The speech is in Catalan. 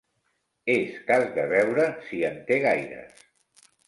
És cas de veure si en té gaires.